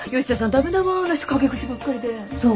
ダメだわあの人陰口ばっかりで。